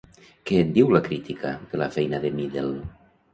Què en diu la crítica, de la feina de Middel?